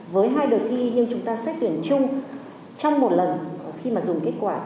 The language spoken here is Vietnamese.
với hai đợt thi nhưng chúng ta xét tuyển chung trong một lần khi mà dùng kết quả